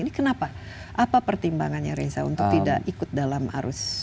ini kenapa apa pertimbangannya relisa untuk tidak ikut dalam arus